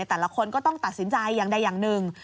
แต่ละคนก็ต้องตัดสินใจอย่างใดอย่างหนึ่ง